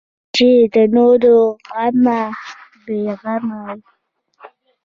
ته چې د نورو له غمه بې غمه یې.